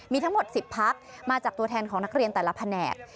มีทั้งหมด๑๐พักมาจากตัวแทนของนักเรียนแต่ละแผนก